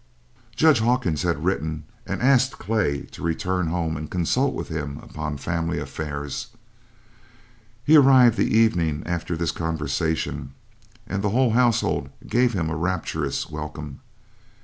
Judge Hawkins had written and asked Clay to return home and consult with him upon family affairs. He arrived the evening after this conversation, and the whole household gave him a rapturous welcome.